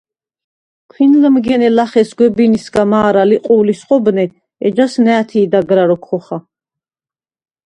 ქვინლჷმგენე ლახე სგვებინისგა მა̄რა ლიყუ̄ლის ხობნე, ეჯას ნა̄̈თი̄ დაგრა როქვ ხოხა.